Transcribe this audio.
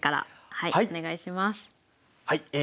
はい。